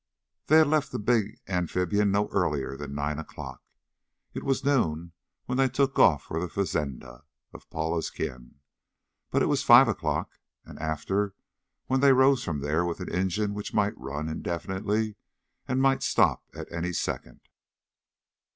They had left the big amphibian no earlier than nine o'clock. It was noon when they took off for the fazenda of Paula's kin. But it was five o'clock and after when they rose from there with an engine which might run indefinitely and might stop at any second.